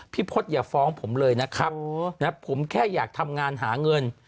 พศอย่าฟ้องผมเลยนะครับผมแค่อยากทำงานหาเงิน